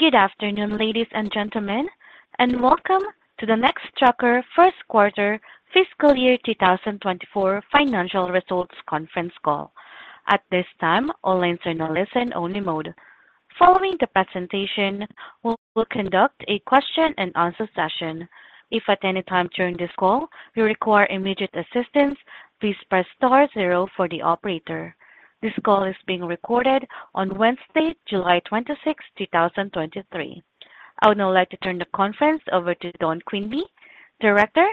Good afternoon, ladies and gentlemen, welcome to the Nextracker Q1 fiscal year 2024 financial results conference call. At this time, all lines are in a listen-only mode. Following the presentation, we will conduct a question-and-answer session. If at any time during this call you require immediate assistance, please press star zero for the operator. This call is being recorded on Wednesday, July 26, 2023. I would now like to turn the conference over to Don Quinby, Director,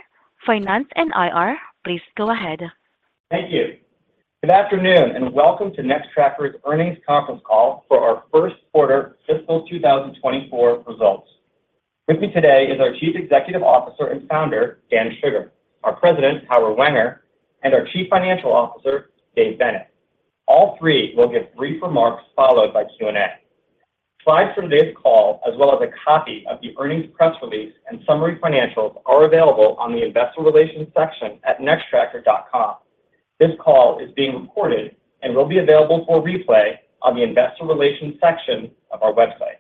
Finance and IR. Please go ahead. Thank you. Good afternoon, welcome to Nextracker's earnings conference call for our Q1 fiscal 2024 results. With me today is our Chief Executive Officer and Founder, Dan Shugar, our President, Howard Wenger, and our Chief Financial Officer, Dave Bennett. All three will give brief remarks followed by Q&A. Slides from this call, as well as a copy of the earnings press release and summary financials, are available on the investor relations section at nextracker.com. This call is being recorded and will be available for replay on the investor relations section of our website.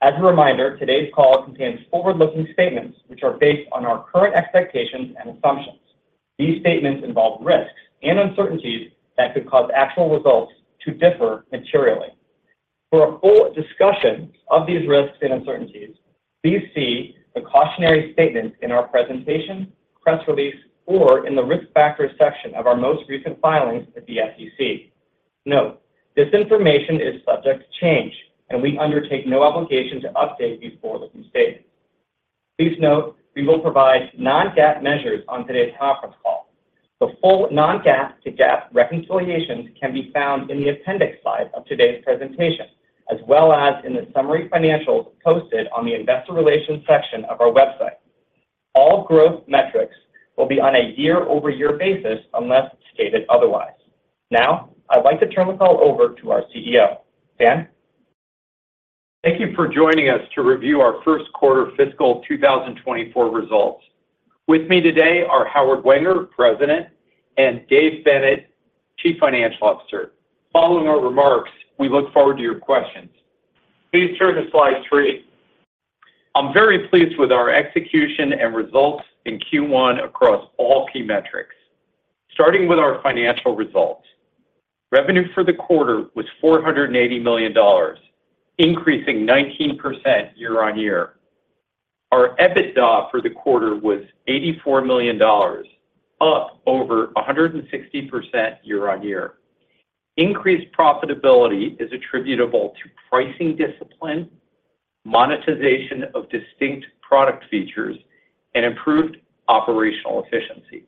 As a reminder, today's call contains forward-looking statements which are based on our current expectations and assumptions. These statements involve risks and uncertainties that could cause actual results to differ materially. For a full discussion of these risks and uncertainties, please see the cautionary statements in our presentation, press release, or in the Risk Factors section of our most recent filings with the SEC. Note, this information is subject to change, we undertake no obligation to update these forward-looking statements. Please note, we will provide non-GAAP measures on today's conference call. The full non-GAAP to GAAP reconciliations can be found in the appendix slide of today's presentation, as well as in the summary financials posted on the investor relations section of our website. All growth metrics will be on a year-over-year basis unless stated otherwise. Now, I'd like to turn the call over to our CEO. Dan? Thank you for joining us to review our Q1 fiscal 2024 results. With me today are Howard Wenger, President, and Dave Bennett, Chief Financial Officer. Following our remarks, we look forward to your questions. Please turn to slide three. I'm very pleased with our execution and results in Q1 across all key metrics. Starting with our financial results. Revenue for the quarter was $480 million, increasing 19% year-on-year. Our EBITDA for the quarter was $84 million, up over 160% year-on-year. Increased profitability is attributable to pricing discipline, monetization of distinct product features, and improved operational efficiency.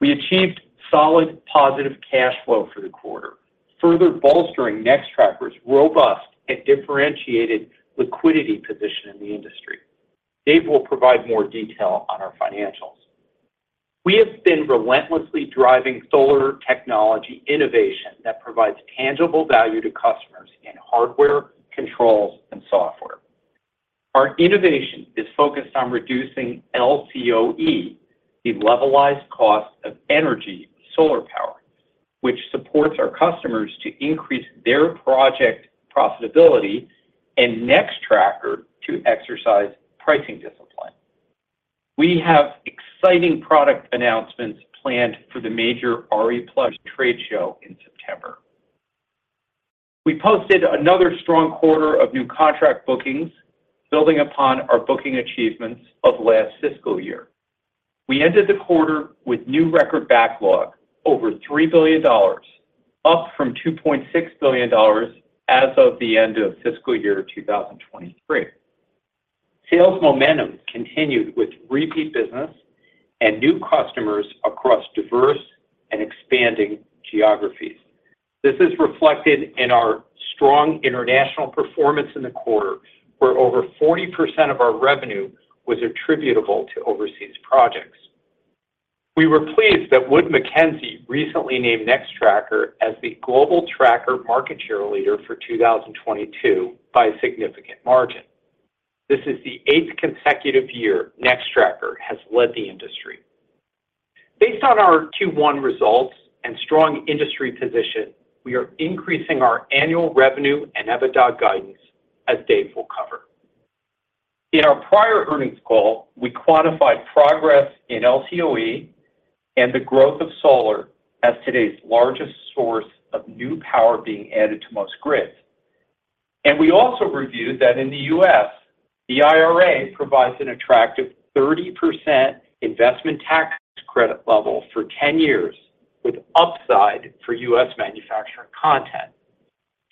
We achieved solid positive cash flow for the quarter, further bolstering Nextracker's robust and differentiated liquidity position in the industry. Dave will provide more detail on our financials. We have been relentlessly driving solar technology innovation that provides tangible value to customers in hardware, controls, and software. Our innovation is focused on reducing LCOE, the levelized cost of energy, solar power, which supports our customers to increase their project profitability and Nextracker to exercise pricing discipline. We have exciting product announcements planned for the major RE+ trade show in September. We posted another strong quarter of new contract bookings, building upon our booking achievements of last fiscal year. We ended the quarter with new record backlog, over $3 billion, up from $2.6 billion as of the end of fiscal year 2023. Sales momentum continued with repeat business and new customers across diverse and expanding geographies. This is reflected in our strong international performance in the quarter, where over 40% of our revenue was attributable to overseas projects. We were pleased that Wood Mackenzie recently named Nextracker as the global tracker market share leader for 2022 by a significant margin. This is the eighth consecutive year Nextracker has led the industry. Based on our Q1 results and strong industry position, we are increasing our annual revenue and EBITDA guidance, as Dave will cover. In our prior earnings call, we quantified progress in LCOE and the growth of solar as today's largest source of new power being added to most grids. We also reviewed that in the U.S., the IRA provides an attractive 30% investment tax credit level for 10 years, with upside for U.S. manufacturing content.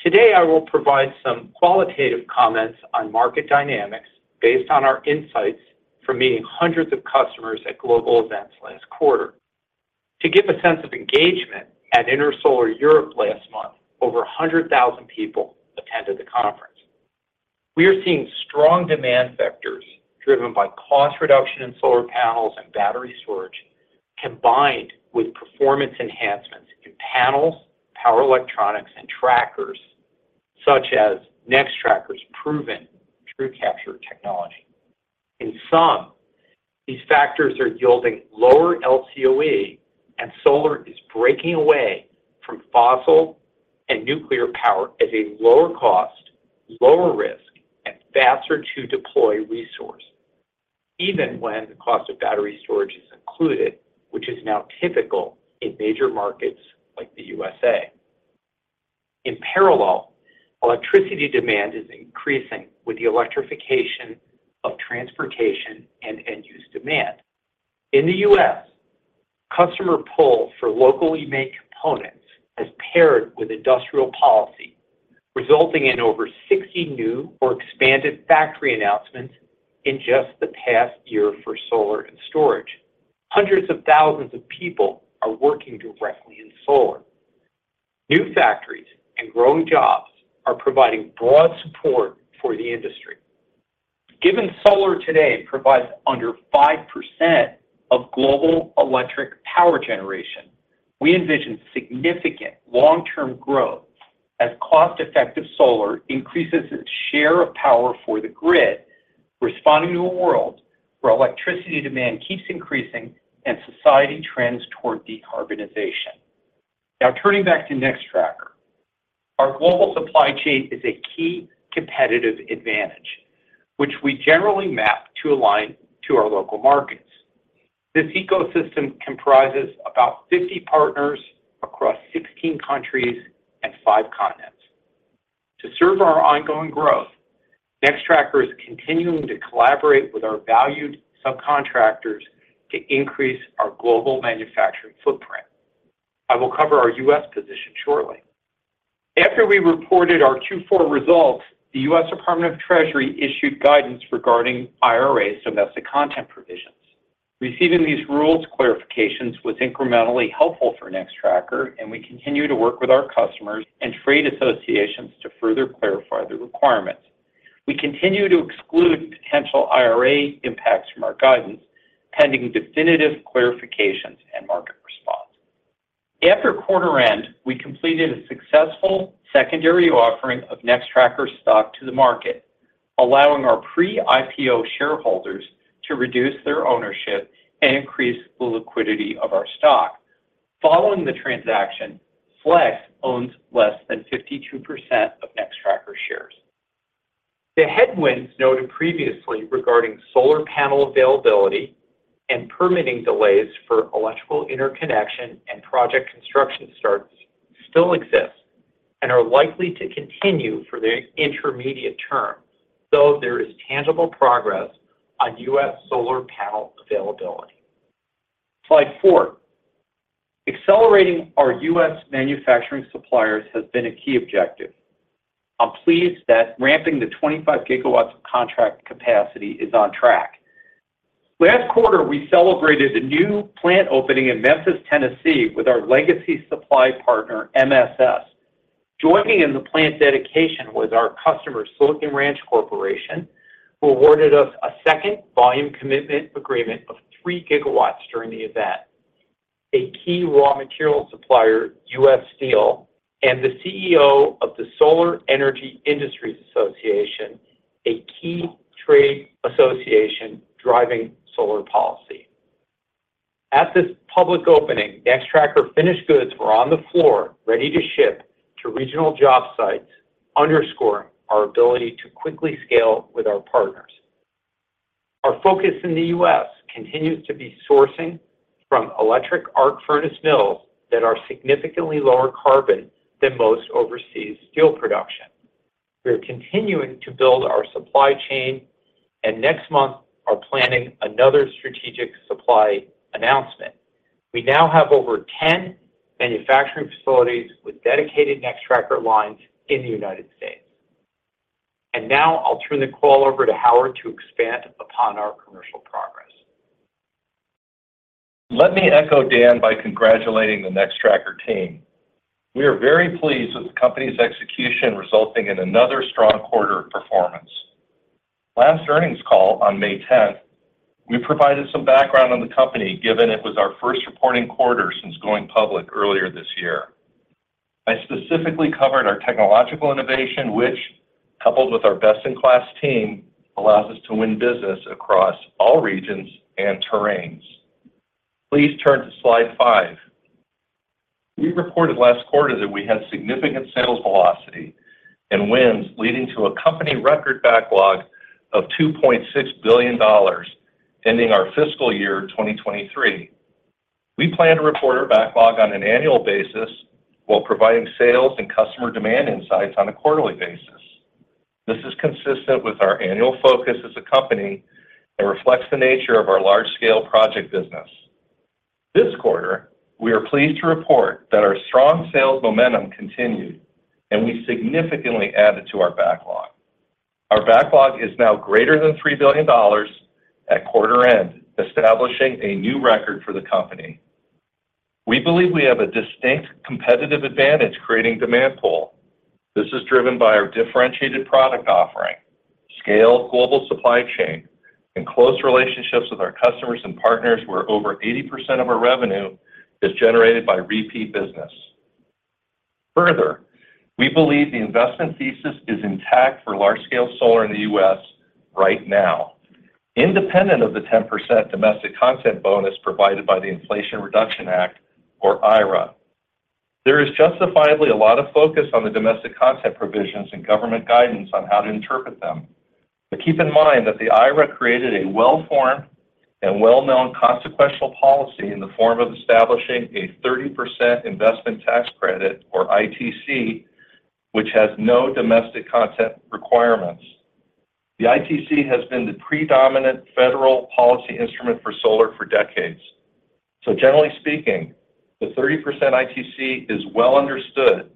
Today, I will provide some qualitative comments on market dynamics based on our insights from meeting hundreds of customers at global events last quarter. To give a sense of engagement, at Intersolar Europe last month, over 100,000 people attended the conference. We are seeing strong demand vectors driven by cost reduction in solar panels and battery storage, combined with performance enhancements in panels, power electronics, and trackers, such as Nextracker's proven TrueCapture technology. These factors are yielding lower LCOE, and solar is breaking away from fossil and nuclear power as a lower cost, lower risk, and faster-to-deploy resource, even when the cost of battery storage is included, which is now typical in major markets like the USA. In parallel, electricity demand is increasing with the electrification of transportation and end-use demand. In the U.S., customer pull for locally made components has paired with industrial policy, resulting in over 60 new or expanded factory announcements in just the past year for solar and storage. Hundreds of thousands of people are working directly in solar. New factories and growing jobs are providing broad support for the industry. Given solar today provides under 5% of global electric power generation, we envision significant long-term growth as cost-effective solar increases its share of power for the grid, responding to a world where electricity demand keeps increasing and society trends toward decarbonization. Turning back to Nextracker. Our global supply chain is a key competitive advantage, which we generally map to align to our local markets. This ecosystem comprises about 50 partners across 16 countries and five continents. To serve our ongoing growth, Nextracker is continuing to collaborate with our valued subcontractors to increase our global manufacturing footprint. I will cover our U.S. position shortly. After we reported our Q4 results, the U.S. Department of the Treasury issued guidance regarding IRA's domestic content provisions. Receiving these rules clarifications was incrementally helpful for Nextracker, and we continue to work with our customers and trade associations to further clarify the requirements. We continue to exclude potential IRA impacts from our guidance, pending definitive clarifications and market response. After quarter end, we completed a successful secondary offering of Nextracker stock to the market, allowing our pre-IPO shareholders to reduce their ownership and increase the liquidity of our stock. Following the transaction, Flex owns less than 52% of Nextracker shares. The headwinds noted previously regarding solar panel availability and permitting delays for electrical interconnection and project construction starts still exist and are likely to continue for the intermediate term, though there is tangible progress on U.S. solar panel availability. Slide four. Accelerating our U.S. manufacturing suppliers has been a key objective. I'm pleased that ramping the 25 GW of contract capacity is on track. Last quarter, we celebrated a new plant opening in Memphis, Tennessee, with our legacy supply partner, MSS. Joining in the plant dedication was our customer, Silicon Ranch Corporation, who awarded us a second volume commitment agreement of 3 GW during the event. A key raw material supplier, U.S. Steel, and the CEO of the Solar Energy Industries Association, a key trade association driving solar policy. At this public opening, Nextracker finished goods were on the floor, ready to ship to regional job sites, underscoring our ability to quickly scale with our partners. Our focus in the U.S. continues to be sourcing from electric arc furnace mills that are significantly lower carbon than most overseas steel production. We are continuing to build our supply chain, and next month, are planning another strategic supply announcement. We now have over 10 manufacturing facilities with dedicated Nextracker lines in the United States. Now I'll turn the call over to Howard to expand upon our commercial progress. Let me echo Dan by congratulating the Nextracker team. We are very pleased with the company's execution, resulting in another strong quarter of performance. Last earnings call on May tenth, we provided some background on the company, given it was our first reporting quarter since going public earlier this year. I specifically covered our technological innovation, which, coupled with our best-in-class team, allows us to win business across all regions and terrains. Please turn to slide five. We reported last quarter that we had significant sales velocity and wins, leading to a company record backlog of $2.6 billion, ending our fiscal year 2023. We plan to report our backlog on an annual basis while providing sales and customer demand insights on a quarterly basis. This is consistent with our annual focus as a company and reflects the nature of our large-scale project business. This quarter, we are pleased to report that our strong sales momentum continued, and we significantly added to our backlog. Our backlog is now greater than $3 billion at quarter end, establishing a new record for the company. We believe we have a distinct competitive advantage creating demand pull. This is driven by our differentiated product offering, scale, global supply chain, and close relationships with our customers and partners, where over 80% of our revenue is generated by repeat business. We believe the investment thesis is intact for large-scale solar in the U.S. right now, independent of the 10% domestic content bonus provided by the Inflation Reduction Act, or IRA. There is justifiably a lot of focus on the domestic content provisions and government guidance on how to interpret them. Keep in mind that the IRA created a well-formed and well-known consequential policy in the form of establishing a 30% investment tax credit, or ITC, which has no domestic content requirements. The ITC has been the predominant federal policy instrument for solar for decades. Generally speaking, the 30% ITC is well understood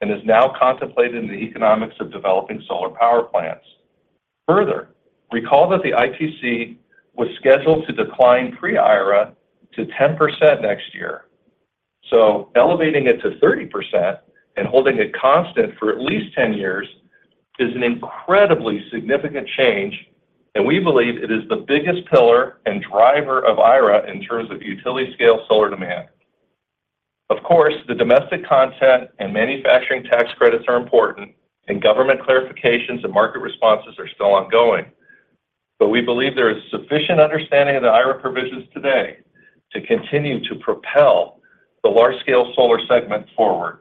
and is now contemplated in the economics of developing solar power plants. Further, recall that the ITC was scheduled to decline pre-IRA to 10% next year. Elevating it to 30% and holding it constant for at least 10 years is an incredibly significant change, and we believe it is the biggest pillar and driver of IRA in terms of utility-scale solar demand. Of course, the domestic content and manufacturing tax credits are important, and government clarifications and market responses are still ongoing. We believe there is sufficient understanding of the IRA provisions today to continue to propel the large-scale solar segment forward.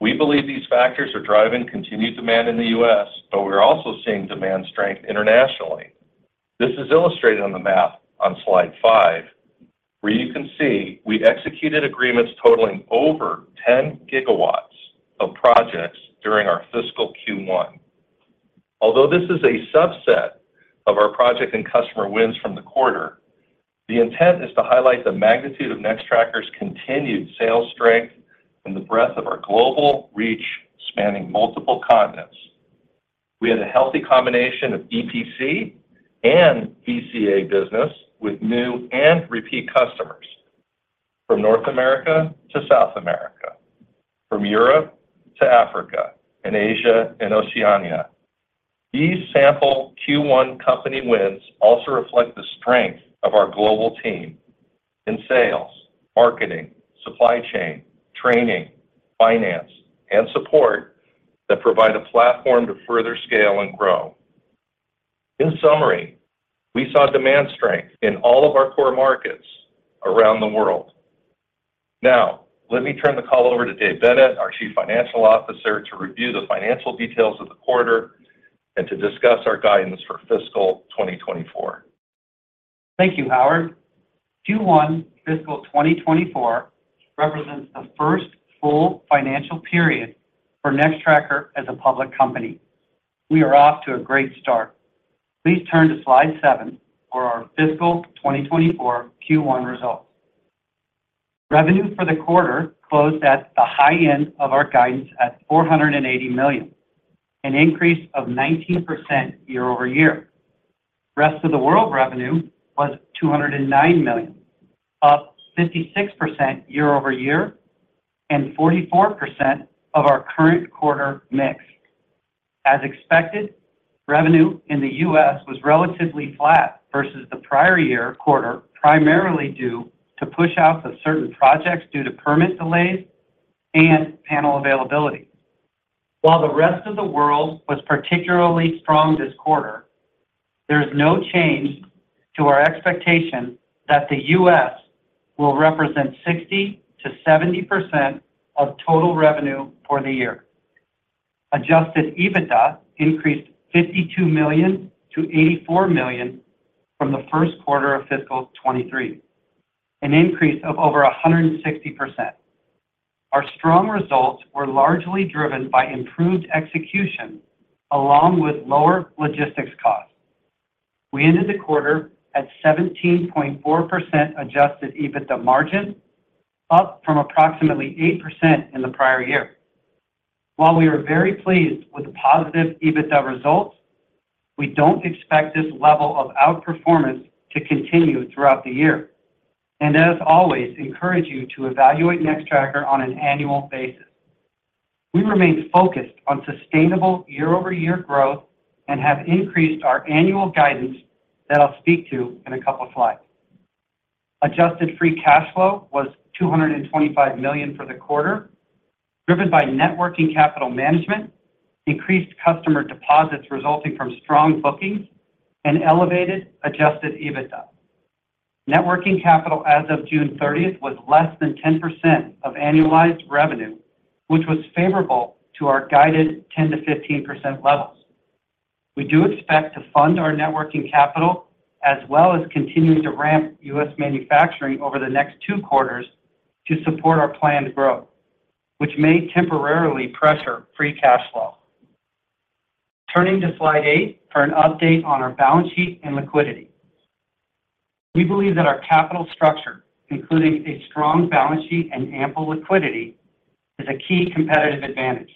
We believe these factors are driving continued demand in the U.S., but we're also seeing demand strength internationally. This is illustrated on the map on slide five, where you can see we executed agreements totaling over 10 GW of projects during our fiscal Q1. Although this is a subset of our project and customer wins from the quarter, the intent is to highlight the magnitude of Nextracker's continued sales strength and the breadth of our global reach, spanning multiple continents. We had a healthy combination of EPC and EPCM business with new and repeat customers from North America to South America, from Europe to Africa, and Asia and Oceania. These sample Q1 company wins also reflect the strength of our global team in sales, marketing, supply chain, training, finance, and support that provide a platform to further scale and grow. In summary, we saw demand strength in all of our core markets around the world. Let me turn the call over to Dave Bennett, our Chief Financial Officer, to review the financial details of the quarter and to discuss our guidance for fiscal 2024. Thank you, Howard. Q1 fiscal 2024 represents the first full financial period for Nextracker as a public company. We are off to a great start. Please turn to slide seven for our fiscal 2024 Q1 results. Revenue for the quarter closed at the high end of our guidance at $480 million, an increase of 19% year-over-year. Rest of the world revenue was $209 million, up 56% year-over-year, and 44% of our current quarter mix. As expected, revenue in the U.S. was relatively flat versus the prior year quarter, primarily due to push out of certain projects due to permit delays and panel availability. While the rest of the world was particularly strong this quarter, there is no change to our expectation that the U.S. will represent 60%-70% of total revenue for the year. Adjusted EBITDA increased $52 million-$84 million from the Q1 of fiscal 2023, an increase of over 160%. Our strong results were largely driven by improved execution, along with lower logistics costs. We ended the quarter at 17.4% adjusted EBITDA margin, up from approximately 8% in the prior year. While we are very pleased with the positive EBITDA results, we don't expect this level of outperformance to continue throughout the year. As always, encourage you to evaluate Nextracker on an annual basis. We remain focused on sustainable year-over-year growth and have increased our annual guidance that I'll speak to in a couple of slides. Adjusted free cash flow was $225 million for the quarter, driven by networking capital management, increased customer deposits resulting from strong bookings, and elevated adjusted EBITDA. Networking capital as of June thirtieth was less than 10% of annualized revenue, which was favorable to our guided 10%-15% levels. We do expect to fund our net working capital, as well as continuing to ramp U.S. manufacturing over the next two quarters to support our planned growth, which may temporarily pressure free cash flow. Turning to slide eight for an update on our balance sheet and liquidity. We believe that our capital structure, including a strong balance sheet and ample liquidity, is a key competitive advantage.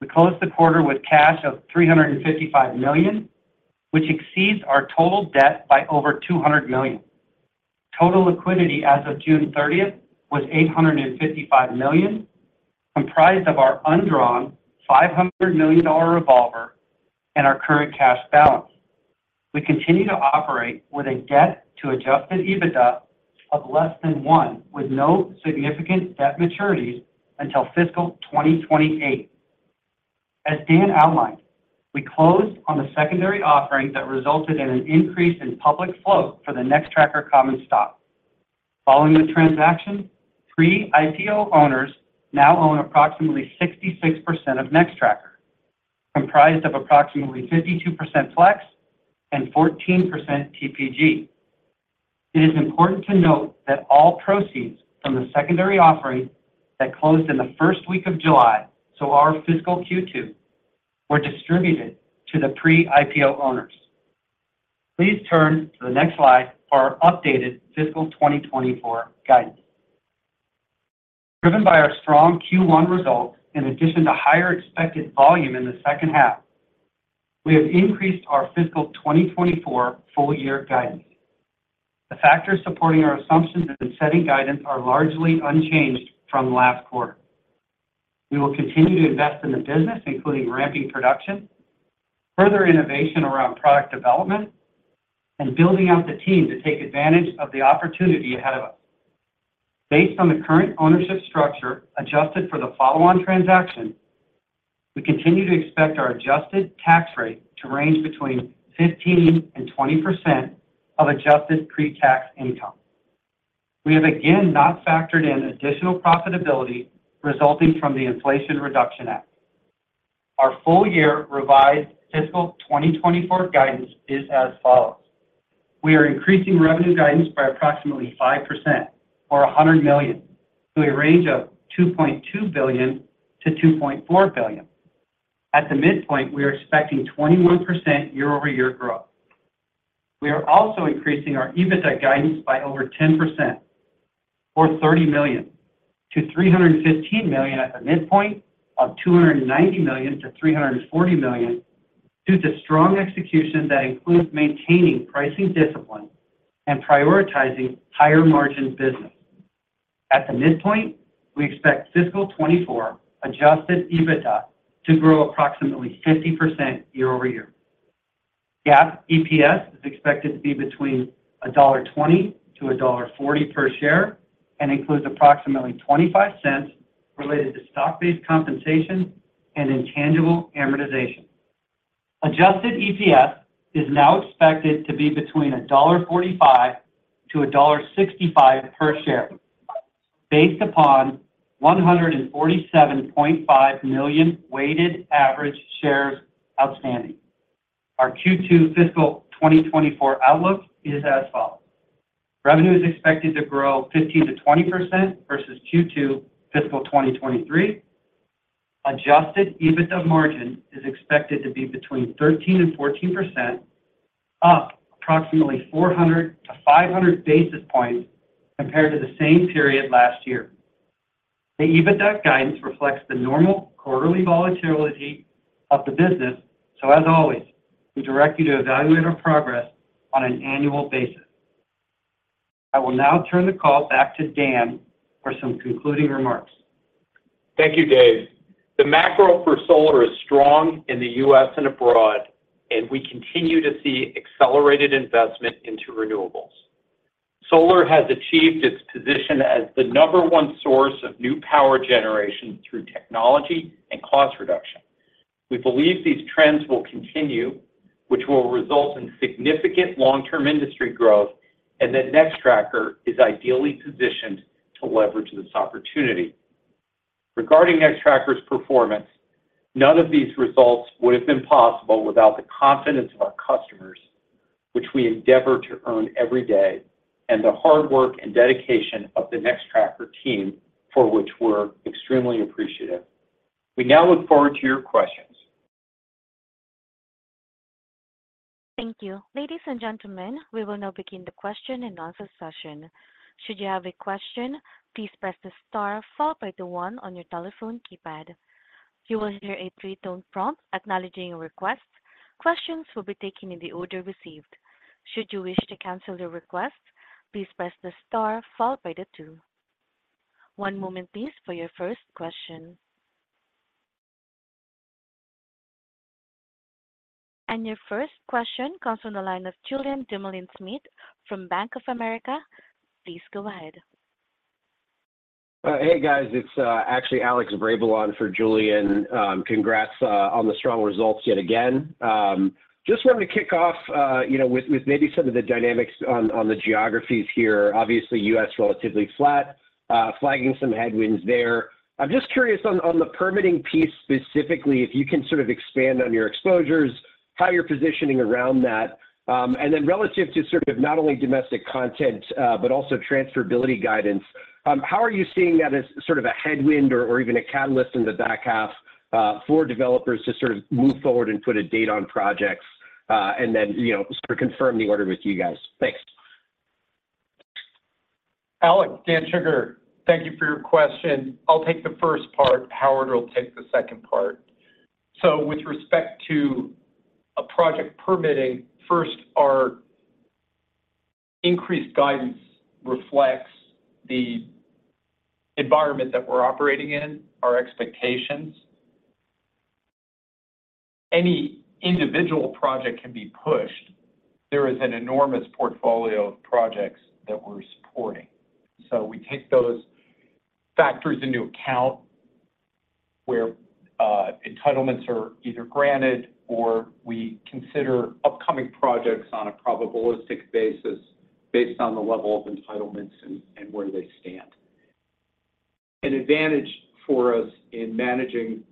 We closed the quarter with cash of $355 million, which exceeds our total debt by over $200 million. Total liquidity as of June 30th was $855 million, comprised of our undrawn $500 million revolver and our current cash balance. We continue to operate with a debt to adjusted EBITDA of less than 1, with no significant debt maturities until fiscal 2028. As Dan outlined, we closed on the secondary offering that resulted in an increase in public flow for the Nextracker common stock. Following the transaction, pre-IPO owners now own approximately 66% of Nextracker, comprised of approximately 52% Flex and 14% TPG. It is important to note that all proceeds from the secondary offering that closed in the first week of July, so our fiscal Q2, were distributed to the pre-IPO owners. Please turn to the next slide for our updated fiscal 2024 guidance. Driven by our strong Q1 results, in addition to higher expected volume in the H2, we have increased our fiscal 2024 full year guidance. The factors supporting our assumptions in the setting guidance are largely unchanged from last quarter. We will continue to invest in the business, including ramping production, further innovation around product development, and building out the team to take advantage of the opportunity ahead of us. Based on the current ownership structure, adjusted for the follow-on transaction, we continue to expect our adjusted tax rate to range between 15% and 20% of adjusted pre-tax income. We have again not factored in additional profitability resulting from the Inflation Reduction Act. Our full year revised fiscal 2024 guidance is as follows: We are increasing revenue guidance by approximately 5% or $100 million to a range of $2.2 billion-$2.4 billion. At the midpoint, we are expecting 21% year-over-year growth. We are also increasing our EBITDA guidance by over 10%, or $30 million-$315 million at the midpoint of $290 million-$340 million, due to strong execution that includes maintaining pricing discipline and prioritizing higher-margin business. At the midpoint, we expect fiscal 2024 adjusted EBITDA to grow approximately 50% year-over-year. GAAP EPS is expected to be between $1.20-$1.40 per share and includes approximately $0.25 related to stock-based compensation and intangible amortization. Adjusted EPS is now expected to be between $1.45-$1.65 per share, based upon 147.5 million weighted average shares outstanding. Our Q2 fiscal 2024 outlook is as follows: Revenue is expected to grow 15%-20% versus Q2 fiscal 2023. Adjusted EBITDA margin is expected to be between 13% and 14%, up approximately 400 basis points-500 basis points compared to the same period last year. The EBITDA guidance reflects the normal quarterly volatility of the business, as always, we direct you to evaluate our progress on an annual basis. I will now turn the call back to Dan for some concluding remarks. Thank you, Dave. The macro for solar is strong in the U.S. and abroad, and we continue to see accelerated investment into renewables. Solar has achieved its position as the number 1 source of new power generation through technology and cost reduction. We believe these trends will continue, which will result in significant long-term industry growth, and that Nextracker is ideally positioned to leverage this opportunity. Regarding Nextracker's performance, none of these results would have been possible without the confidence of our customers, which we endeavor to earn every day, and the hard work and dedication of the Nextracker team, for which we're extremely appreciative. We now look forward to your questions. Thank you. Ladies and gentlemen, we will now begin the question and answer session. Should you have a question, please press the star followed by the one on your telephone keypad. You will hear a 3-tone prompt acknowledging your request. Questions will be taken in the order received. Should you wish to cancel your request, please press the star followed by the two. One moment, please, for your first question. Your first question comes from the line of Julien Dumoulin-Smith from Bank of America. Please go ahead. Hey, guys. It's actually Alexander Virgo on for Julian. Congrats on the strong results yet again. Just wanted to kick off, you know, with maybe some of the dynamics on the geographies here. Obviously, U.S., relatively flat, flagging some headwinds there. I'm just curious on the permitting piece, specifically, if you can sort of expand on your exposures, how you're positioning around that. Relative to sort of not only domestic content, but also transferability guidance, how are you seeing that as sort of a headwind or even a catalyst in the back half for developers to sort of move forward and put a date on projects, and then, you know, sort of confirm the order with you guys? Thanks. Alex, Dan Shugar. Thank you for your question. I'll take the first part, Howard will take the second part. With respect to a project permitting, first, our increased guidance reflects the environment that we're operating in, our expectations. Any individual project can be pushed. There is an enormous portfolio of projects that we're supporting. We take those factors into account where entitlements are either granted or we consider upcoming projects on a probabilistic basis based on the level of entitlements and where they stand. An advantage for us in managing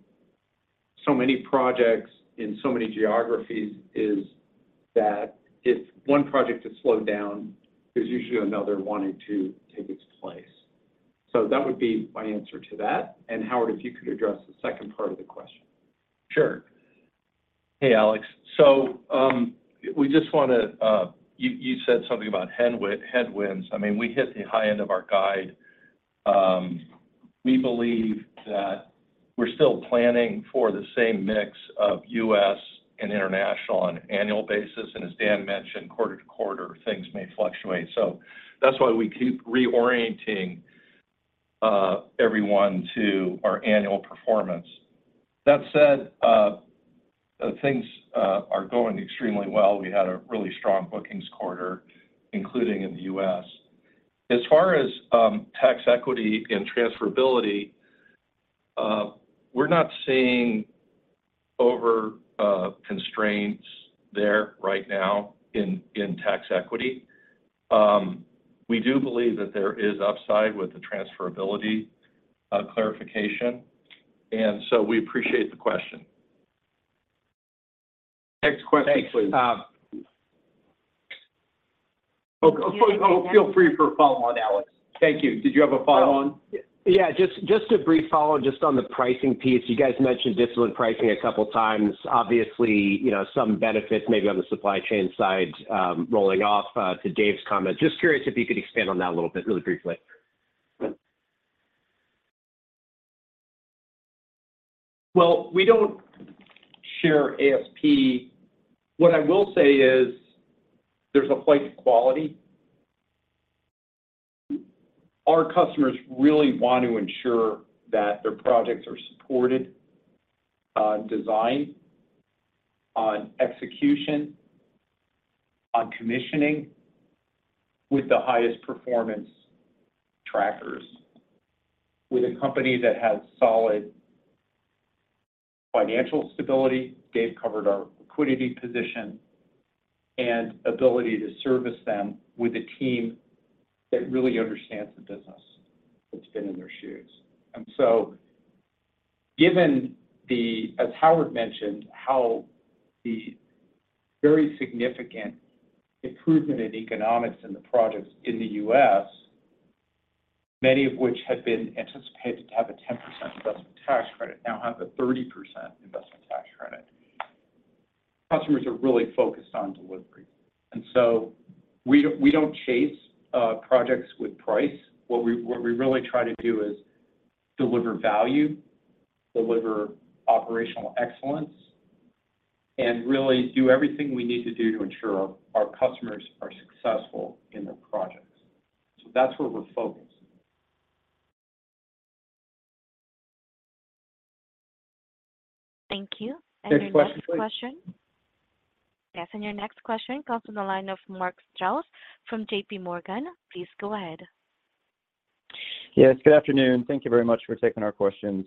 so many projects in so many geographies is that if one project is slowed down, there's usually another one or two take its place. That would be my answer to that. Howard, if you could address the second part of the question. Sure. Hey, Alex. We just want to, you said something about headwinds. I mean, we hit the high end of our guide. We believe that we're still planning for the same mix of U.S. and international on an annual basis, and as Dan mentioned, quarter to quarter, things may fluctuate. That's why we keep reorienting everyone to our annual performance. That said, things are going extremely well. We had a really strong bookings quarter, including in the U.S. As far as tax equity and transferability, we're not seeing over constraints there right now in tax equity. We do believe that there is upside with the transferability clarification, and so we appreciate the question. Next question, please. Thanks. Oh, feel free for a follow-on, Alex. Thank you. Did you have a follow-on? Yeah, just a brief follow-on, just on the pricing piece. You guys mentioned discipline pricing a couple of times. Obviously, you know, some benefits maybe on the supply chain side, rolling off, to Dave's comment. Just curious if you could expand on that a little bit, really briefly? Well, we don't share ASP. What I will say is there's a flight to quality. Our customers really want to ensure that their projects are supported on design, on execution, on commissioning with the highest performance trackers, with a company that has solid financial stability. Dave covered our liquidity position and ability to service them with a team that really understands the business, that's been in their shoes. As Howard mentioned, how the very significant improvement in economics in the projects in the U.S., many of which had been anticipated to have a 10% investment tax credit, now have a 30% investment tax credit. Customers are really focused on delivery, we don't chase projects with price. What we really try to do is deliver value, deliver operational excellence, and really do everything we need to do to ensure our customers are successful in their projects. That's where we're focused. Thank you. Next question, please. Your next question. Yes, your next question comes from the line of Mark Strouse from JPMorgan. Please go ahead. Yes, good afternoon. Thank you very much for taking our questions.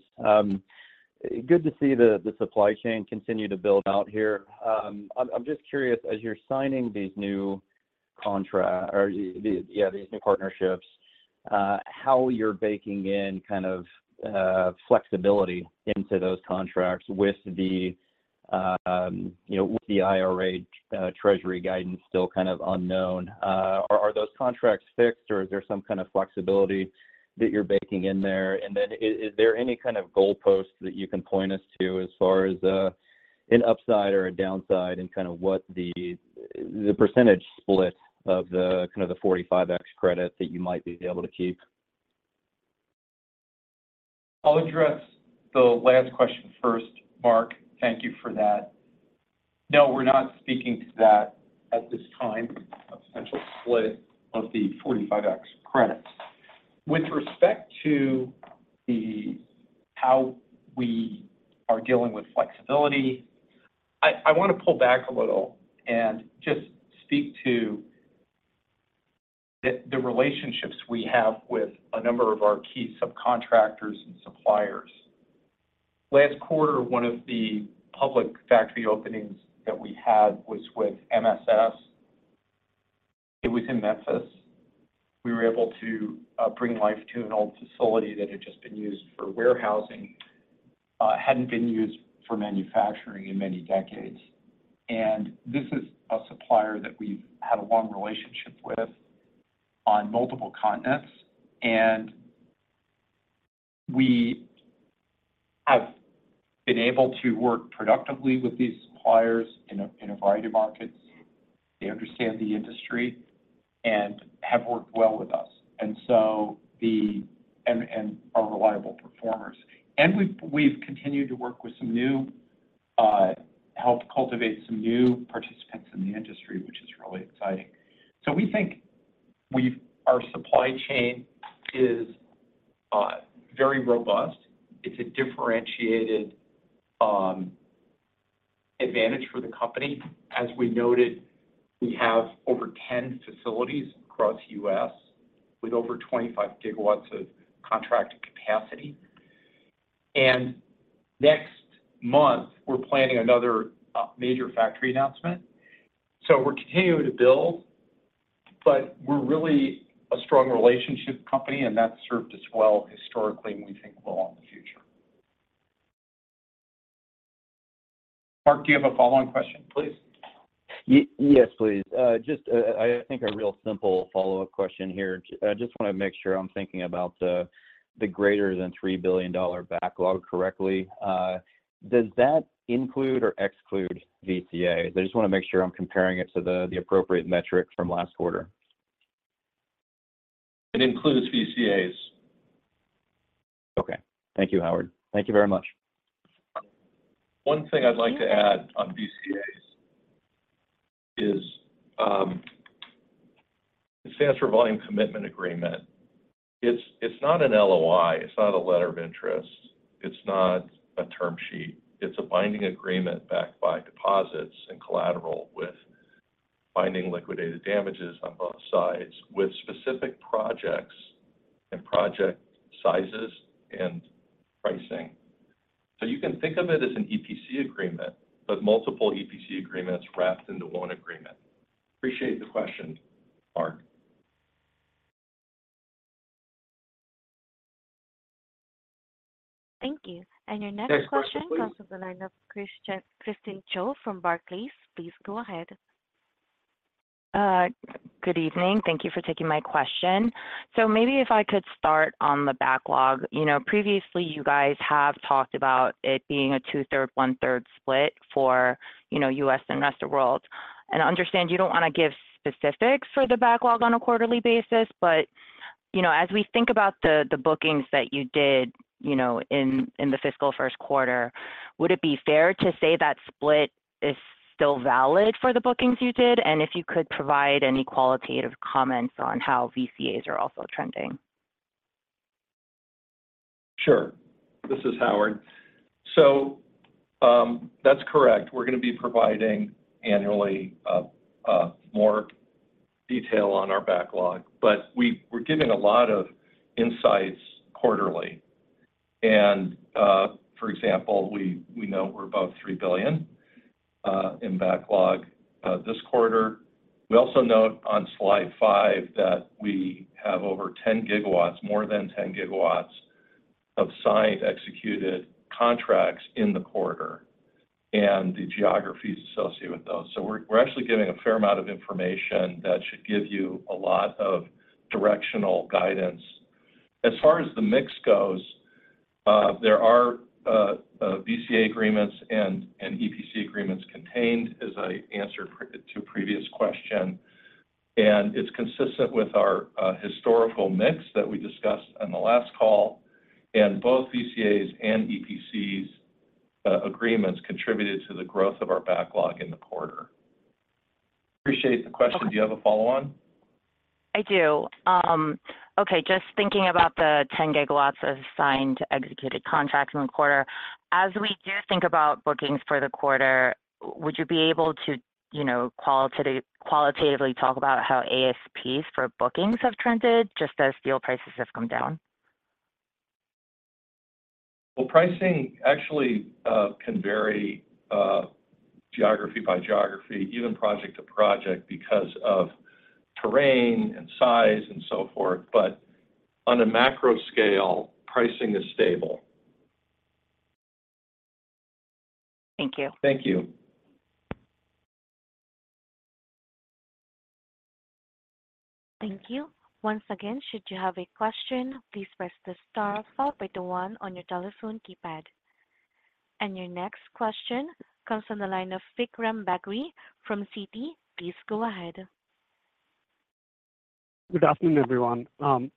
good to see the supply chain continue to build out here. I'm just curious, as you're signing these new contract or these new partnerships, how you're baking in kind of flexibility into those contracts with the, you know, with the IRA, Treasury guidance still kind of unknown. Are those contracts fixed or is there some kind of flexibility that you're baking in there? And then is there any kind of goalpost that you can point us to as far as an upside or a downside and kind of what the percentage split of the kind of the Section 45X credit that you might be able to keep? I'll address the last question first, Mark. Thank you for that. No, we're not speaking to that at this time, a potential split of the 45X Credit. With respect to how we are dealing with flexibility, I want to pull back a little and just speak to the relationships we have with a number of our key subcontractors and suppliers. Last quarter, one of the public factory openings that we had was with MSS. It was in Memphis. We were able to bring life to an old facility that had just been used for warehousing, hadn't been used for manufacturing in many decades. This is a supplier that we've had a long relationship with on multiple continents, and we have been able to work productively with these suppliers in a variety of markets. They understand the industry and have worked well with us, are reliable performers. We've continued to work with some new-... helped cultivate some new participants in the industry, which is really exciting. We think our supply chain is very robust. It's a differentiated advantage for the company. As we noted, we have over 10 facilities across the U.S., with over 25 GW of contracted capacity. Next month, we're planning another major factory announcement. We're continuing to build, but we're really a strong relationship company, and that's served us well historically, and we think will on the future. Mark, do you have a follow-on question, please? Yes, please. Just, I think a real simple follow-up question here. I just want to make sure I'm thinking about the greater than $3 billion backlog correctly. Does that include or exclude VCAs? I just want to make sure I'm comparing it to the appropriate metric from last quarter. It includes VCAs. Okay. Thank you, Howard. Thank you very much. One thing I'd like to add on VCAs is, it stands for Volume Commitment Agreement. It's not an LOI, it's not a letter of interest, it's not a term sheet. It's a binding agreement backed by deposits and collateral, with binding liquidated damages on both sides, with specific projects and project sizes and pricing. You can think of it as an EPC agreement, but multiple EPC agreements wrapped into one agreement. Appreciate the question, Mark. Thank you. Next question, please. Your next question comes from the line of Christine Cho from Barclays. Please go ahead. Good evening. Thank you for taking my question. Maybe if I could start on the backlog. You know, previously, you guys have talked about it being a 2/3, 1/3 split for, you know, U.S. and rest of world. I understand you don't want to give specifics for the backlog on a quarterly basis, but, you know, as we think about the bookings that you did, you know, in the fiscal 1st quarter, would it be fair to say that split is still valid for the bookings you did? If you could provide any qualitative comments on how VCAs are also trending. Sure. This is Howard. That's correct. We're going to be providing annually more detail on our backlog, but we're giving a lot of insights quarterly. For example, we know we're above $3 billion in backlog this quarter. We also note on Slide five that we have over 10 GW, more than 10 GW of signed, executed contracts in the quarter, and the geographies associated with those. We're actually giving a fair amount of information that should give you a lot of directional guidance. As far as the mix goes, there are VCA agreements and EPC agreements contained, as I answered to a previous question. It's consistent with our historical mix that we discussed on the last call. Both VCAs and EPCs agreements contributed to the growth of our backlog in the quarter. Appreciate the question. Do you have a follow-on? I do. Okay, just thinking about the 10 GW of signed, executed contracts in the quarter, as we do think about bookings for the quarter, would you be able to, you know, qualitatively talk about how ASPs for bookings have trended just as steel prices have come down? Well, pricing actually, can vary, geography by geography, even project to project, because of terrain and size and so forth. On a macro scale, pricing is stable. Thank you. Thank you. Thank you. Once again, should you have a question, please press the star followed by the one on your telephone keypad. Your next question comes from the line of Vikram Bagri from Citi. Please go ahead. Good afternoon, everyone.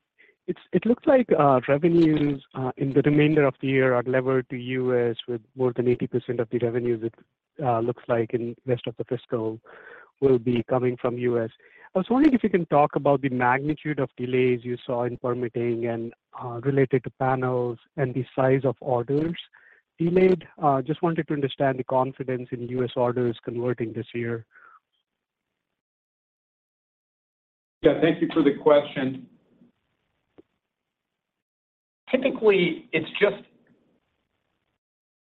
It looks like revenues in the remainder of the year are levered to U.S., with more than 80% of the revenues, it looks like in rest of the fiscal will be coming from U.S. I was wondering if you can talk about the magnitude of delays you saw in permitting and related to panels and the size of orders delayed. Just wanted to understand the confidence in U.S. orders converting this year. Yeah, thank you for the question. Typically, it's just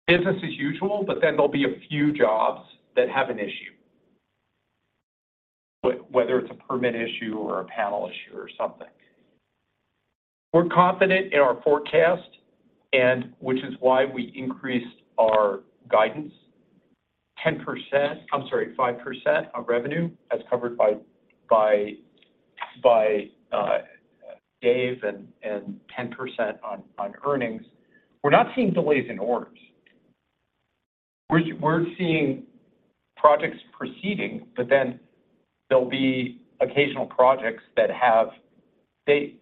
business as usual, there'll be a few jobs that have an issue, whether it's a permit issue or a panel issue or something. We're confident in our forecast, which is why we increased our guidance 10%-- I'm sorry, 5% on revenue, as covered by Dave, and 10% on earnings. We're not seeing delays in orders.... projects proceeding. There'll be occasional projects.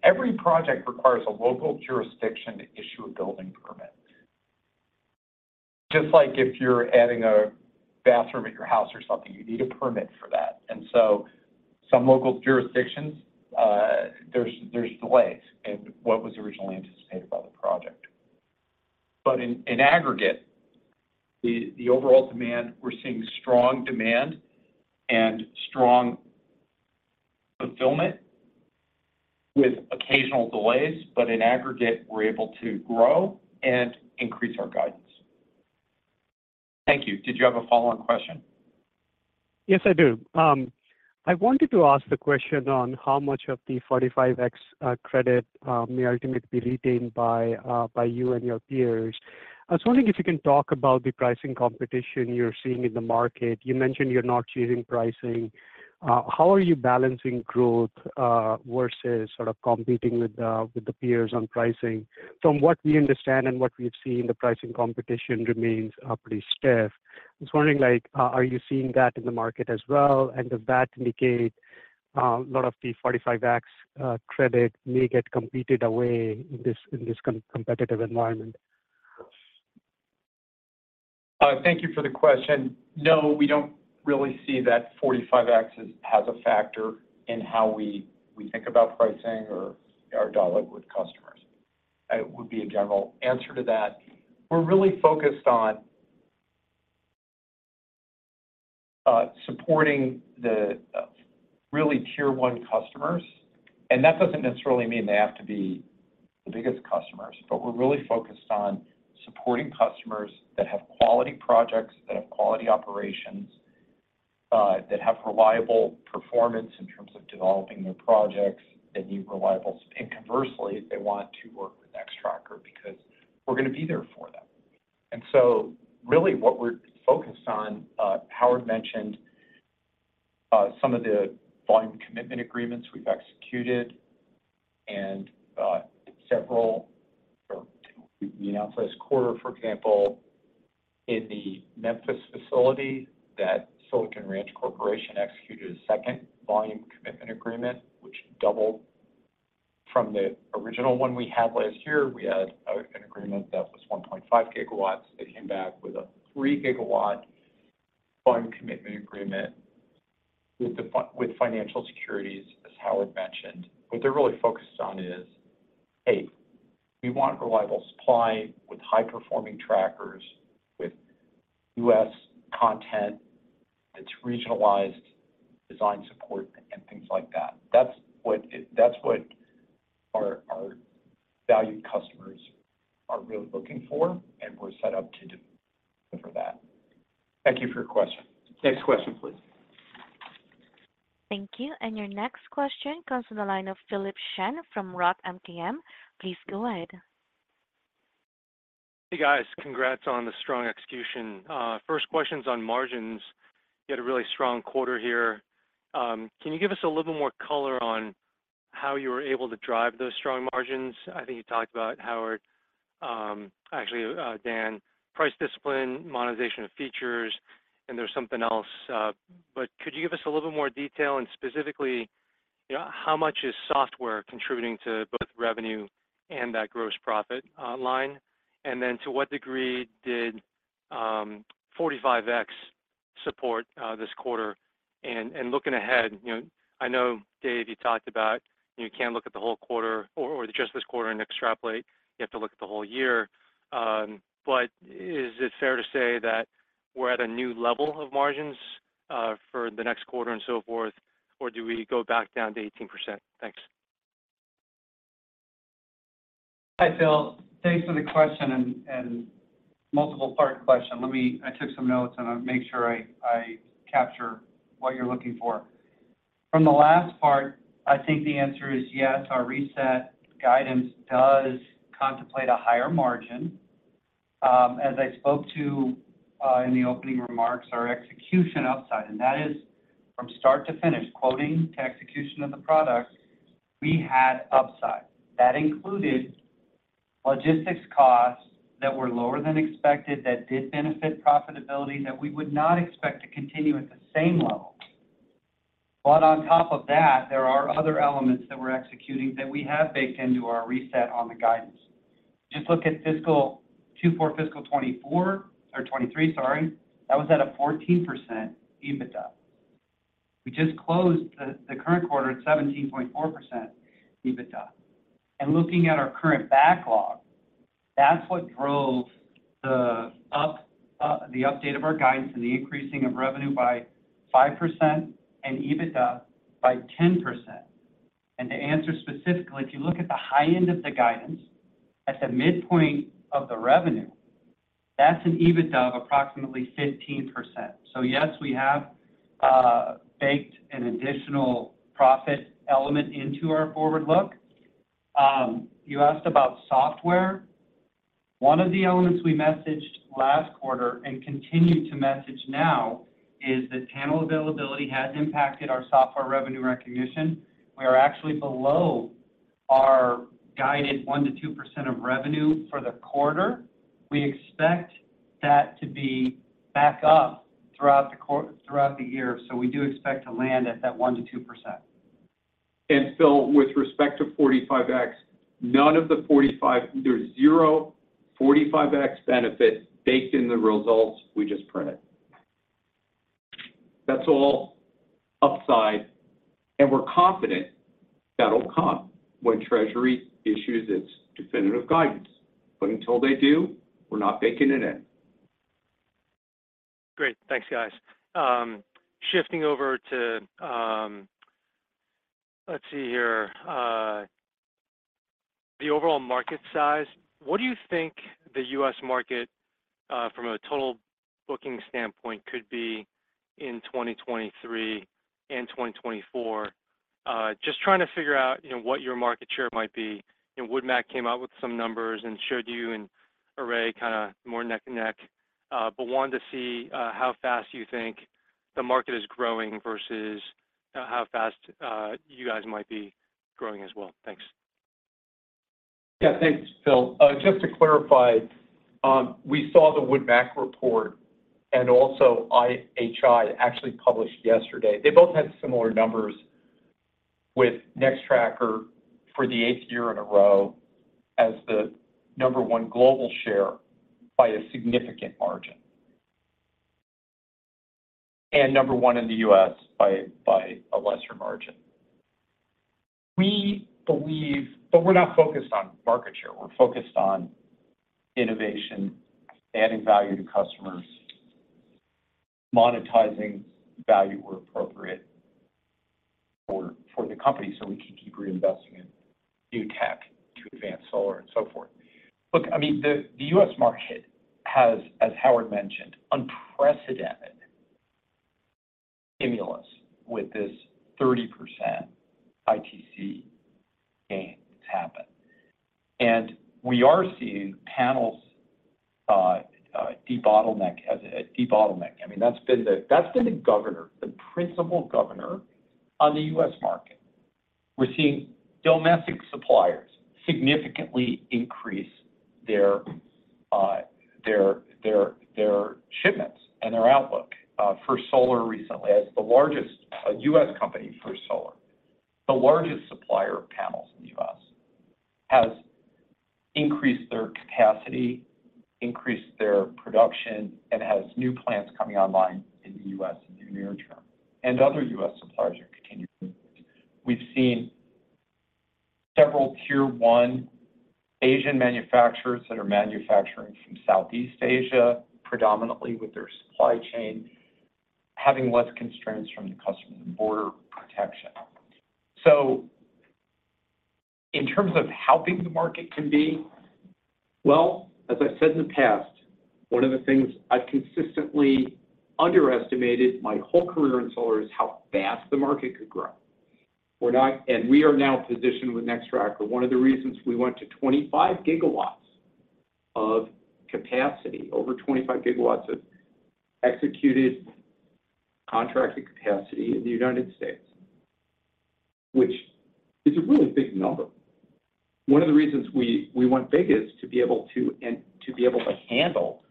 Every project requires a local jurisdiction to issue a building permit. Just like if you're adding a bathroom in your house or something, you need a permit for that. Some local jurisdictions, there's delays in what was originally anticipated by the project. In aggregate, the overall demand, we're seeing strong demand and strong fulfillment with occasional delays. In aggregate, we're able to grow and increase our guidance. Thank you. Did you have a follow-on question? Yes, I do. I wanted to ask the question on how much of the Section 45X credit may ultimately be retained by you and your peers. I was wondering if you can talk about the pricing competition you're seeing in the market. You mentioned you're not changing pricing. How are you balancing growth versus sort of competing with the peers on pricing? From what we understand and what we've seen, the pricing competition remains pretty stiff. I was wondering, like, are you seeing that in the market as well, and does that indicate a lot of the Section 45X credit may get competed away in this competitive environment? Thank you for the question. No, we don't really see that Section 45X as a factor in how we think about pricing or our dialogue with customers. It would be a general answer to that. We're really focused on supporting the really tier one customers, and that doesn't necessarily mean they have to be the biggest customers. We're really focused on supporting customers that have quality projects, that have quality operations, that have reliable performance in terms of developing their projects, that need reliable. Conversely, they want to work with Nextracker because we're going to be there for them. Really what we're focused on, Howard mentioned some of the volume commitment agreements we've executed and several from... We announced last quarter, for example, in the Memphis facility, that Silicon Ranch Corporation executed a second volume commitment agreement, which doubled from the original one we had last year. We had an agreement that was 1.5 GW. They came back with a 3 GW volume commitment agreement with financial securities, as Howard mentioned. What they're really focused on is, "Hey, we want reliable supply with high-performing trackers, with U.S. content, that's regionalized, design support, and things like that." That's what our valued customers are really looking for, and we're set up to deliver that. Thank you for your question. Next question, please. Thank you. Your next question comes from the line of Philip Shen from Roth MKM. Please go ahead. Hey, guys. Congrats on the strong execution. First question's on margins. You had a really strong quarter here. Can you give us a little more color on how you were able to drive those strong margins? I think you talked about Howard, actually, Dan, price discipline, monetization of features, and there's something else. Could you give us a little more detail, and specifically, you know, how much is software contributing to both revenue and that gross profit line? To what degree did Section 45X support this quarter? Looking ahead, you know, I know, Dave, you talked about you can't look at the whole quarter or just this quarter and extrapolate. You have to look at the whole year. Is it fair to say that we're at a new level of margins, for the next quarter and so forth, or do we go back down to 18%? Thanks. Hi, Phil. Thanks for the question and multiple-part question. I took some notes, and I capture what you're looking for. From the last part, I think the answer is yes, our reset guidance does contemplate a higher margin. As I spoke to in the opening remarks, our execution upside, and that is from start to finish, quoting to execution of the product, we had upside. That included logistics costs that were lower than expected, that did benefit profitability, that we would not expect to continue at the same level. On top of that, there are other elements that we're executing that we have baked into our reset on the guidance. Just look at fiscal 2024, or 2023, sorry, that was at a 14% EBITDA. We just closed the current quarter at 17.4% EBITDA. Looking at our current backlog, that's what drove the update of our guidance and the increasing of revenue by 5% and EBITDA by 10%. To answer specifically, if you look at the high end of the guidance, at the midpoint of the revenue, that's an EBITDA of approximately 15%. Yes, we have baked an additional profit element into our forward look. You asked about software. One of the elements we messaged last quarter and continue to message now is that panel availability has impacted our software revenue recognition. We are actually below-... our guided 1%-2% of revenue for the quarter, we expect that to be back up throughout the year. We do expect to land at that 1%-2%. Philip, with respect to Section 45X, there's zero Section 45X benefits baked in the results we just printed. That's all upside, and we're confident that'll come when Treasury issues its definitive guidance. Until they do, we're not baking it in. Great. Thanks, guys. Shifting over to, let's see here, the overall market size. What do you think the U.S. market, from a total booking standpoint, could be in 2023 and 2024? Just trying to figure out, you know, what your market share might be. WoodMac came out with some numbers and showed you and Array kind of more neck and neck, but wanted to see how fast you think the market is growing versus how fast you guys might be growing as well. Thanks. Yeah, thanks, Phil. Just to clarify, we saw the WoodMac report and also IHI actually published yesterday. They both had similar numbers with Nextracker for the eighth year in a row as the number 1 global share by a significant margin. Number one in the U.S. by a lesser margin. We're not focused on market share, we're focused on innovation, adding value to customers, monetizing value where appropriate for the company, so we can keep reinvesting in new tech to advance solar and so forth. I mean, the U.S. market has, as Howard mentioned, unprecedented stimulus with this 30% ITC gain that's happened. We are seeing panels debottleneck, as a debottleneck. I mean, that's been the governor, the principal governor on the U.S. market. We're seeing domestic suppliers significantly increase their shipments and their outlook for solar recently. As the largest U.S. company for solar, the largest supplier of panels in the U.S. has increased their capacity, increased their production, and has new plants coming online in the U.S. in the near term, and other U.S. suppliers are continuing. We've seen several tier one Asian manufacturers that are manufacturing from Southeast Asia, predominantly with their supply chain, having less constraints from the Customs and Border Protection. In terms of how big the market can be, well, as I've said in the past, one of the things I've consistently underestimated my whole career in solar is how fast the market could grow. We are now positioned with Nextracker. One of the reasons we went to 25 GW of capacity, over 25 GW of executed contracted capacity in the United States, which is a really big number. One of the reasons we went big is to be able to, and to be able to handle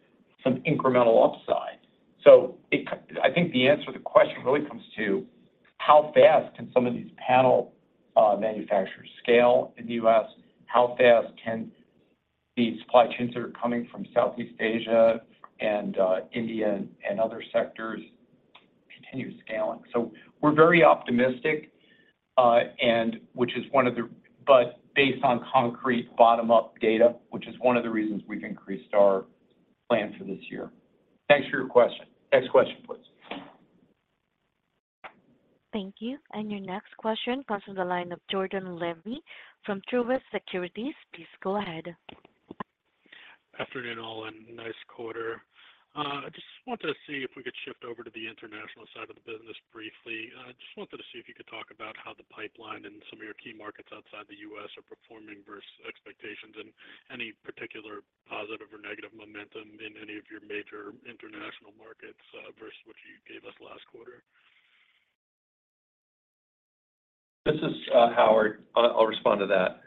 some incremental upside. I think the answer to the question really comes to how fast can some of these panel manufacturers scale in the U.S.? How fast can the supply chains that are coming from Southeast Asia and India and other sectors continue scaling? We're very optimistic, based on concrete bottom-up data, which is one of the reasons we've increased our plans for this year. Thanks for your question. Next question, please. Thank you. Your next question comes from the line of Jordan Levy from Truist Securities. Please go ahead. Afternoon, all, and nice quarter. I just wanted to see if we could shift over to the international side of the business briefly. I just wanted to see if you could talk about how the pipeline in some of your key markets outside the U.S. are performing versus expectations, and any particular positive or negative momentum in any of your major international markets, versus what you gave us last quarter. This is Howard. I'll respond to that.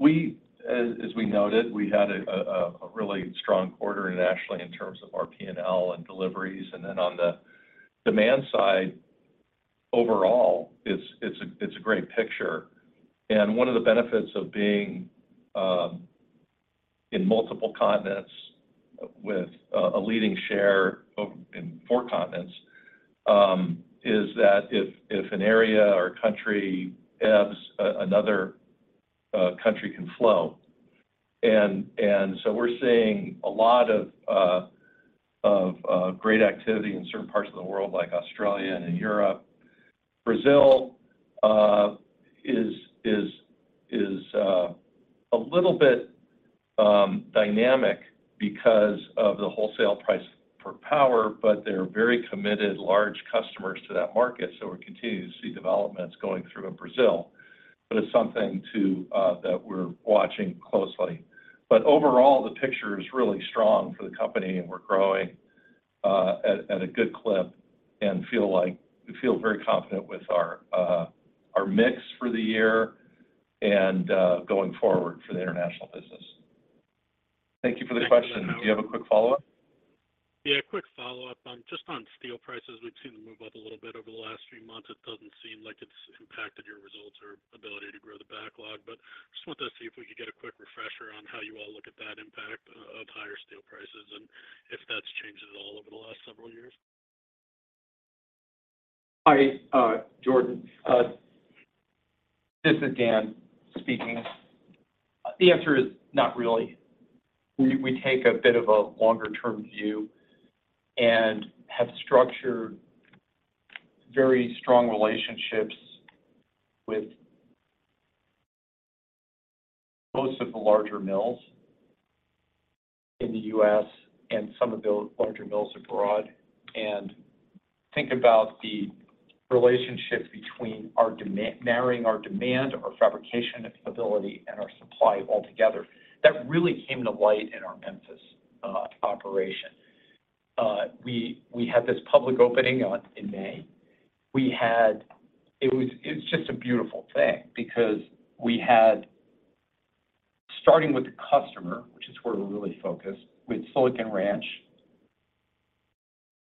We, as we noted, we had a really strong quarter internationally in terms of our P&L and deliveries. On the demand side, overall, it's a great picture. One of the benefits of being in multiple continents with a leading share of, in four continents, is that if an area or country ebbs, another country can flow. So we're seeing a lot of great activity in certain parts of the world, like Australia and in Europe. Brazil is a little bit dynamic because of the wholesale price for power, but they're very committed large customers to that market, so we're continuing to see developments going through in Brazil. It's something watching closely. Overall, the picture is really strong for the company, and we're growing at a good clip and we feel very confident with our mix for the year and going forward for the international business. Thank you for the question. Do you have a quick follow-up? Yeah, a quick follow-up. just on steel prices, we've seen them move up a little bit over the last 3 months. It doesn't seem like it's impacted your results or ability to grow the backlog, but just wanted to see if we could get a quick refresher on how you all look at that impact of higher steel prices, and if that's changed at all over the last several years. Hi, Jordan. This is Dan speaking. The answer is not really. We take a bit of a longer-term view and have structured very strong relationships with most of the larger mills in the U.S. and some of the larger mills abroad, and think about the relationship between marrying our demand, our fabrication ability, and our supply altogether. That really came to light in our Memphis operation. We had this public opening in May. We had. It was just a beautiful thing because we had, starting with the customer, which is where we're really focused, with Silicon Ranch,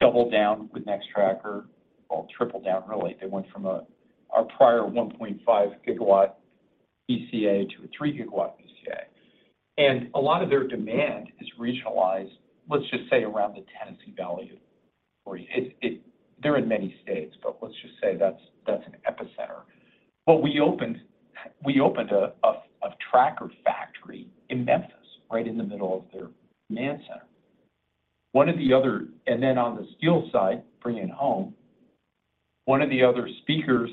doubled down with Nextracker, well, tripled down, really. They went from our prior 1.5 GW ECA to a 3 GW ECA. A lot of their demand is regionalized, let's just say, around the Tennessee Valley. For it, they're in many states, but let's just say that's an epicenter. We opened a tracker factory in Memphis, right in the middle of their demand center. One of the other, and then on the steel side, bringing it home, one of the other speakers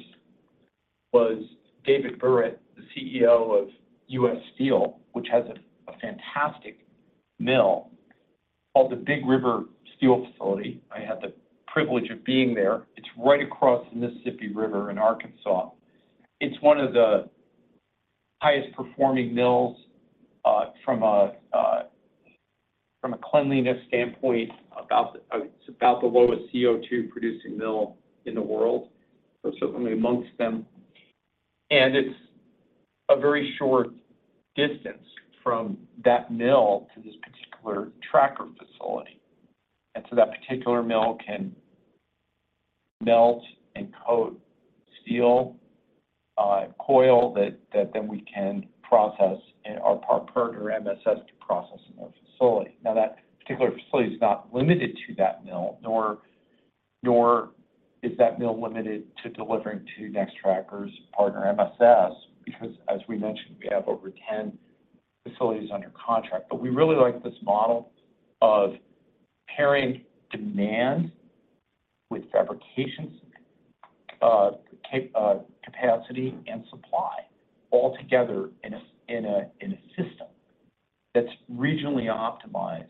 was David Burritt, the CEO of U.S. Steel, which has a fantastic mill called the Big River Steel Facility. I had the privilege of being there. It's right across the Mississippi River in Arkansas. It's one of the highest-performing mills, from a cleanliness standpoint, it's about the lowest CO2 producing mill in the world, or certainly amongst them. It's a very short distance from that mill to this particular tracker facility. That particular mill can melt and coat steel coil that then we can process in our partner, MSS, to process in their facility. That particular facility is not limited to that mill, nor is that mill limited to delivering to Nextracker's partner, MSS, because, as we mentioned, we have over 10 facilities under contract. We really like this model of pairing demand with fabrication capacity and supply all together in a system that's regionally optimized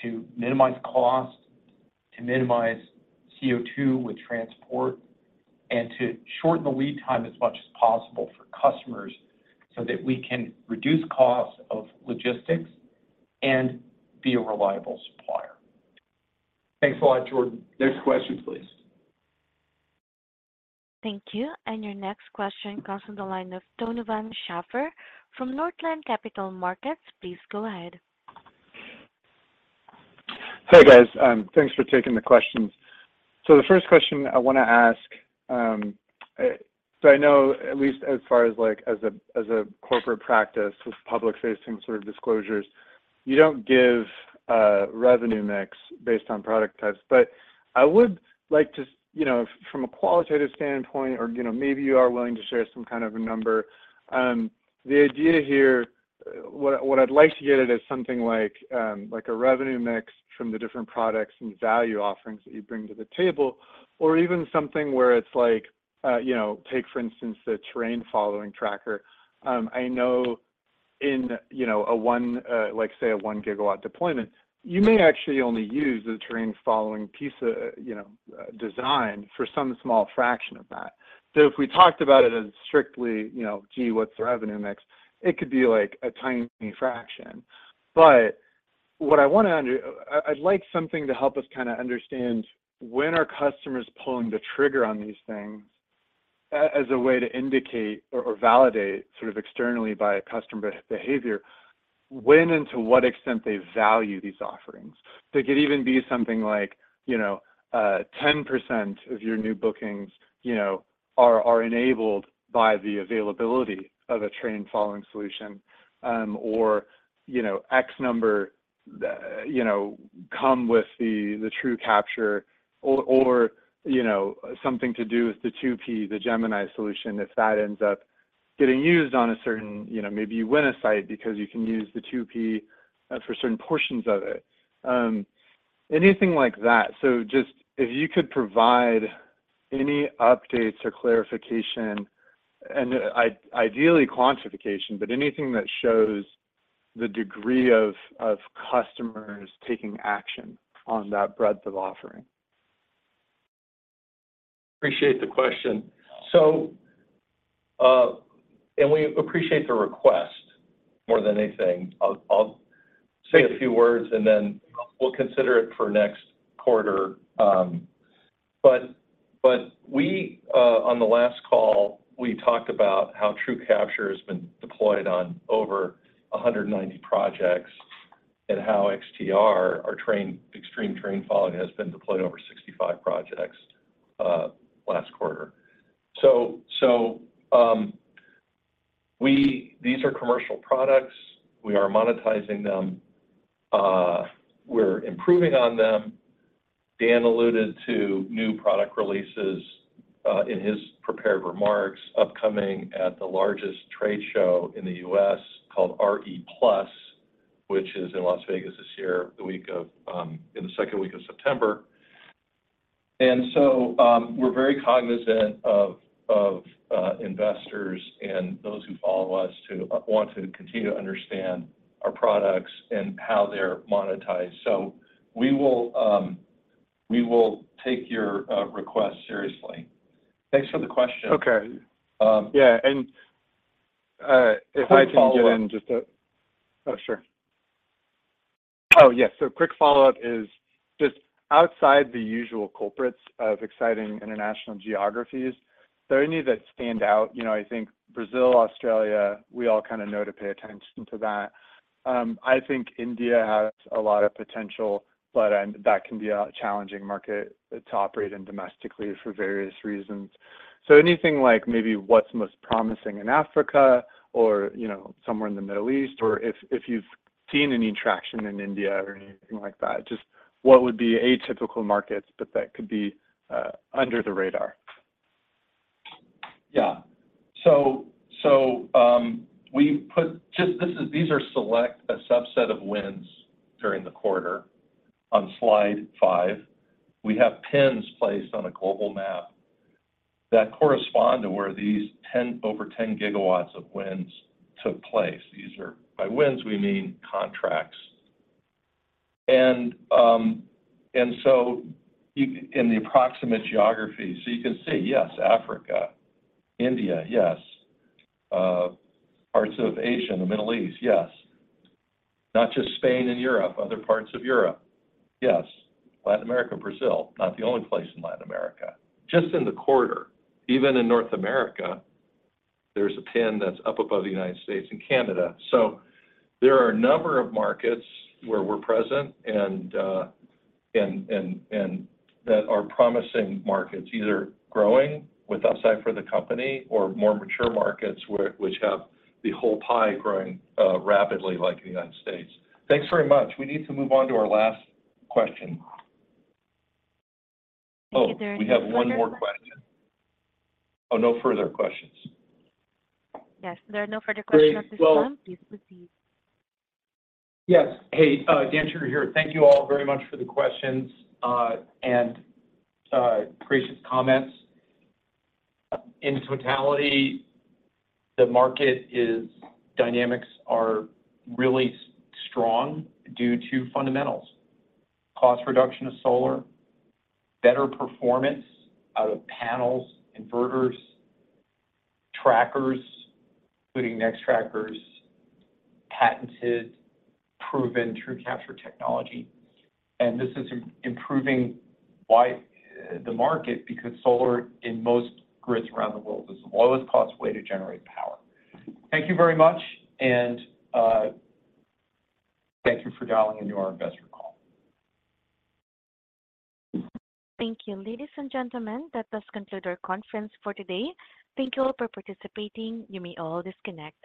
to minimize cost, to minimize CO2 with transport, and to shorten the lead time as much as possible for customers, so that we can reduce costs of logistics and be a reliable supplier. Thanks a lot, Jordan. Next question, please. Thank you. Your next question comes from the line of Donovan Schafer from Northland Capital Markets. Please go ahead. Hi, guys. Thanks for taking the questions. The first question I want to ask, I know at least as far as, like, as a corporate practice with public-facing sort of disclosures, you don't give revenue mix based on product types. I would like to, you know, from a qualitative standpoint or, you know, maybe you are willing to share some kind of a number. The idea here, what I'd like to get at is something like a revenue mix from the different products and value offerings that you bring to the table, or even something where it's like, you know, take for instance, the terrain following tracker. I know in, you know, a 1, like, say, a 1 GW deployment, you may actually only use the terrain following piece of, you know, design for some small fraction of that. If we talked about it as strictly, you know, gee, what's their revenue mix? It could be like a tiny fraction. What I'd like something to help us kinda understand when are customers pulling the trigger on these things, as a way to indicate or validate sort of externally by customer behavior, when and to what extent they value these offerings. They could even be something like, you know, 10% of your new bookings, you know, are enabled by the availability of a terrain following solution, or, you know, X number, you know, come with the TrueCapture or, you know, something to do with the 2P, the Gemini solution, if that ends up getting used on a certain... You know, maybe you win a site because you can use the 2P for certain portions of it. Anything like that. Just if you could provide any updates or clarification, and ideally quantification, but anything that shows the degree of customers taking action on that breadth of offering. Appreciate the question. We appreciate the request more than anything. I'll say a few words, then we'll consider it for next quarter. But we on the last call, we talked about how TrueCapture has been deployed on over 190 projects, and how XTR, our Extreme Terrain Following, has been deployed over 65 projects last quarter. These are commercial products. We are monetizing them. We're improving on them. Dan alluded to new product releases in his prepared remarks, upcoming at the largest trade show in the U.S. called RE Plus, which is in Las Vegas this year, the week of in the second week of September. We're very cognizant of, investors and those who follow us, who want to continue to understand our products and how they're monetized. We will take your request seriously. Thanks for the question. Okay. Um- Yeah, if I can get in just. Sure. Oh, sure. Oh, yes. Quick follow-up is, just outside the usual culprits of exciting international geographies, is there any that stand out? You know, I think Brazil, Australia, we all kinda know to pay attention to that. I think India has a lot of potential, but, that can be a challenging market to operate in domestically for various reasons. Anything like maybe what's most promising in Africa or, you know, somewhere in the Middle East, or if you've seen any traction in India or anything like that, just what would be atypical markets, but that could be under the radar? Yeah. Just this is, these are select, a subset of wins during the quarter. On slide five, we have pins placed on a global map that correspond to where these 10, over 10 GW of wins took place. These are. By wins, we mean contracts. In the approximate geography. You can see, yes, Africa, India, yes, parts of Asia and the Middle East, yes. Not just Spain and Europe, other parts of Europe, yes. Latin America, Brazil, not the only place in Latin America. Just in the quarter, even in North America, there's a pin that's up above the United States and Canada. There are a number of markets where we're present, and that are promising markets, either growing with upside for the company or more mature markets which have the whole pie growing rapidly like the United States. Thanks very much. We need to move on to our last question. Oh, we have one more question. Oh, no further questions. Yes, there are no further questions at this time. Well- Please proceed. Yes. Hey, Dan Shugar here. Thank you all very much for the questions, and gracious comments. In totality, the market dynamics are really strong due to fundamentals, cost reduction of solar, better performance out of panels, inverters, trackers, including Nextracker's patented, proven TrueCapture technology. This is improving why the market, because solar, in most grids around the world, is the lowest cost way to generate power. Thank you very much, and thank you for dialing into our investor call. Thank you. Ladies and gentlemen, that does conclude our conference for today. Thank you all for participating. You may all disconnect.